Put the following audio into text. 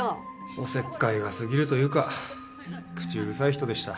おせっかいが過ぎるというか口うるさい人でした。